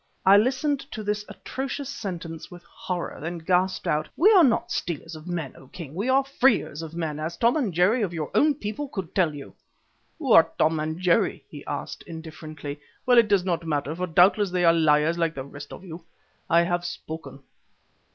I listened to this atrocious sentence with horror, then gasped out: "We are not stealers of men, O King, we are freers of men, as Tom and Jerry of your own people could tell you." "Who are Tom and Jerry?" he asked, indifferently. "Well, it does not matter, for doubtless they are liars like the rest of you. I have spoken.